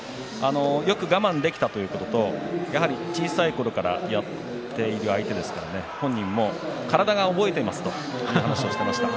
よく我慢できたということとやはり小さいころからやっている相手ですから本人も体が覚えていますという話をしていました。